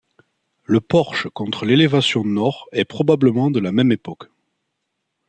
Le porche contre l'élévation nord est probablement de la même époque.